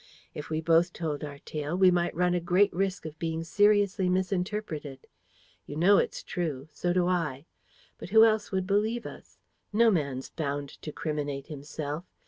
If we both told our tale, we might run a great risk of being seriously misinterpreted. You know it's true; so do I: but who else would believe us? No man's bound to criminate himself.